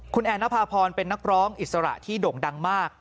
ไม่น่าผ่อนเป็นนักร้องอิสระที่ดงดังมาก